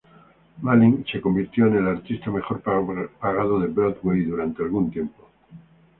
Malin se convirtió en el artista mejor pagado de Broadway durante algún tiempo.